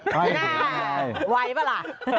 ไม่ไหวปะล่ะ